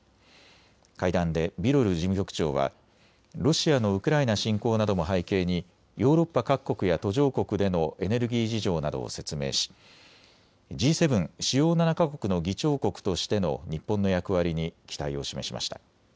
会談でビロル事務局長はロシアのウクライナ侵攻なども背景にヨーロッパ各国や途上国でのエネルギー事情などを説明しＧ７・主要７か国の議長国としての日本の役割に期待を示しました。